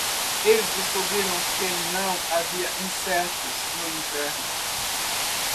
Eles descobriram que não havia insetos no inverno.